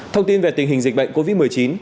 thông tin về tình hình dịch bệnh covid một mươi chín